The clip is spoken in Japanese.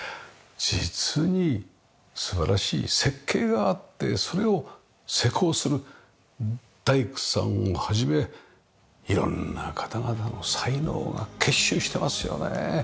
実に素晴らしい設計があってそれを施工する大工さんを始め色んな方々の才能が結集してますよね。